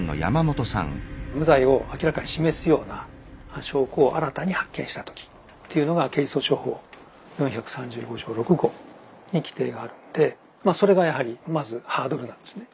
無罪を明らかに示すような証拠を新たに発見したときっていうのが刑事訴訟法４３５条６号に規定があるのでまあそれがやはりまずハードルなんですね。